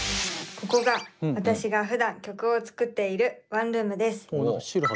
ここが私がふだん曲を作っているワンルームです。